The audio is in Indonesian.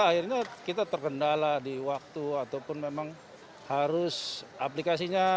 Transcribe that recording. akhirnya kita terkendala di waktu ataupun memang harus aplikasinya